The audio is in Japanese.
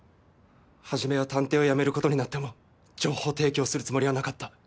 初めは探偵を辞めることになっても情報提供をするつもりはなかった。